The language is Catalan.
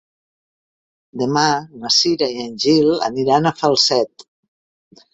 Demà na Cira i en Gil aniran a Falset.